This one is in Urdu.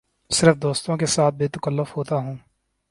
صرف دوستوں کے ساتھ بے تکلف ہوتا ہوں